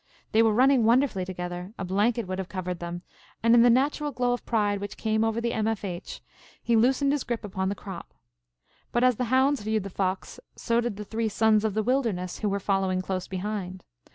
They were running wonderfully together, a blanket would have covered them, and in the natural glow of pride which came over the M. F. H., he loosened his grip upon the crop. But as the hounds viewed the fox, so did the three sons of the wilderness who were following close behind.